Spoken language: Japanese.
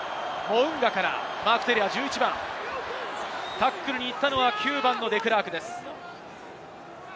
タックルに行ったのは９番のデクラークです。